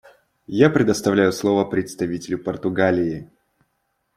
Я предоставляю слово представителю Португалии.